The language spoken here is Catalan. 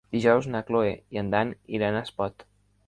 Dijous na Cloè i en Dan iran a Espot.